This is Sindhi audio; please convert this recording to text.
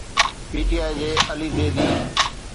پي ٽي آءِ جي علي زيدي